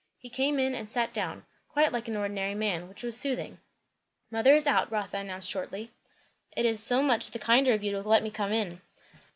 He came in and sat down, quite like an ordinary man; which was soothing. "Mother is out," Rotha announced shortly. "It is so much the kinder of you to let me come in."